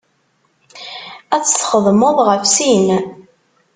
Ad tt-txedmeḍ ɣef sin.